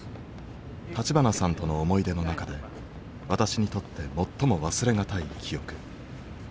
立花さんとの思い出の中で私にとって最も忘れ難い記憶。